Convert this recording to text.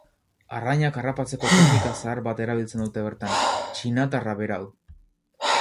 Arrainak harrapatzeko teknika zahar bat erabiltzen dute bertan, txinatarra berau.